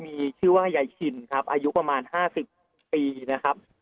มีชื่อว่ายายชินครับอายุประมาณ๕๐ปีนะครับ